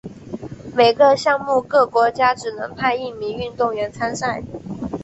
每个项目各国家只能派一名运动员参赛。